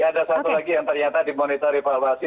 ada satu lagi yang ternyata dimonitor evaluasi